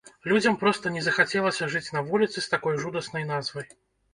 Людзям проста не захацелася жыць на вуліцы з такой жудаснай назвай.